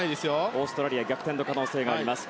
オーストラリア逆転の可能性があります。